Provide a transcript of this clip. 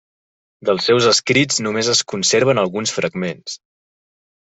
Dels seus escrits només es conserven alguns fragments.